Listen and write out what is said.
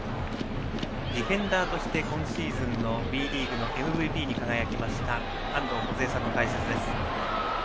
ディフェンダーとして今シーズンのＷＥリーグのＭＶＰに輝いた安藤梢さんの解説です。